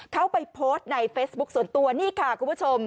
เขาไปโพสต์ในเฟซบุ๊คส่วนตัวนี่ค่ะคุณผู้ชม